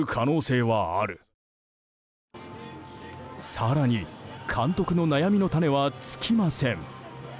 更に監督の悩みの種は尽きません。